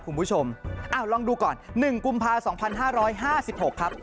คุณผู้ชมลองดูก่อน๑กุมภา๒๕๕๖ครับ